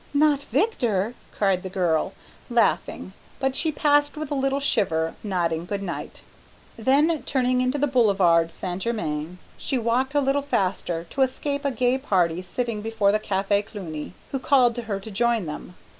"Not Victor?" cried the girl, laughing, but she passed with a little shiver, nodding good night, then turning into the Boulevard St. Germain, she walked a tittle faster to escape a gay party sitting before the Café Cluny who called to her to join them.